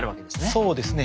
そうですね。